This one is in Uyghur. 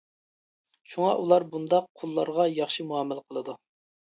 شۇڭا ئۇلار بۇنداق قۇللارغا ياخشى مۇئامىلە قىلىدۇ.